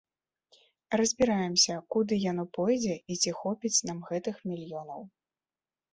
Разбіраемся, куды яно пойдзе і ці хопіць нам гэтых мільёнаў.